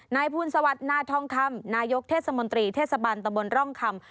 นายภูนิสวัสดิ์น้าท่องคำนายกเทศบนตรีเทศบันดรรวงคำ